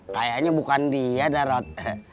kayaknya bukan dia darot